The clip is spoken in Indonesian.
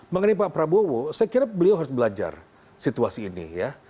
mengenai pak prabowo saya kira beliau harus belajar situasi ini ya